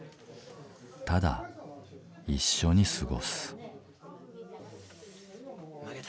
ただ一緒に過ごす。